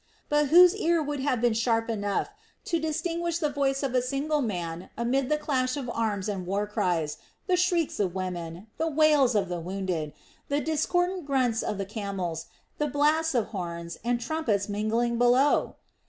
But whose ear would have been sharp enough to distinguish the voice of a single man amid the clash of arms and war cries, the shrieks of women, the wails of the wounded, the discordant grunting of the camels, the blasts of horns and trumpets mingling below?